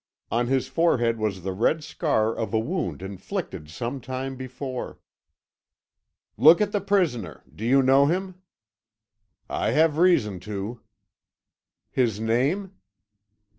On his forehead was the red scar of a wound inflicted some time before. "Look at the prisoner. Do you know him?" "I have reason to." "His name?"